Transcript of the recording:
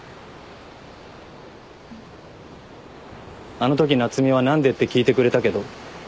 あのとき夏海は「何で？」って聞いてくれたけど。